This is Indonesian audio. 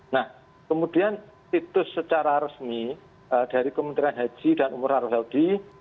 nah kemudian situs secara resmi dari kementerian haji dan umroh arab saudi